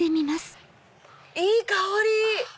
いい香り！